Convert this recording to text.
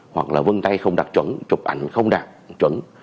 hoặc là vân tay không đạt chuẩn chụp ảnh không đạt chuẩn